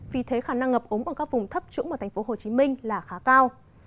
vì thế khả năng ngập ống ở các vùng thấp trũng của thành phố hồ chí minh là khá cao